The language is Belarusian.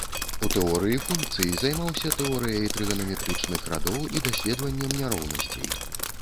У тэорыі функцый займаўся тэорыяй трыганаметрычных радоў і даследаваннем няроўнасцей.